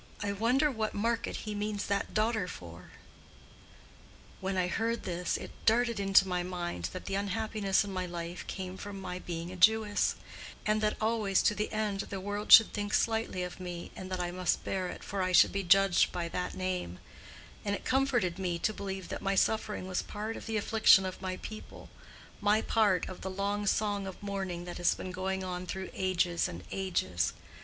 I wonder what market he means that daughter for.' When I heard this it darted into my mind that the unhappiness in my life came from my being a Jewess, and that always to the end the world would think slightly of me and that I must bear it, for I should be judged by that name; and it comforted me to believe that my suffering was part of the affliction of my people, my part in the long song of mourning that has been going on through ages and ages.